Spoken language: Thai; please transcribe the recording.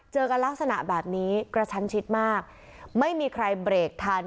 เจอกันลักษณะแบบนี้กระชันชิดมากไม่มีใครเบรกทัน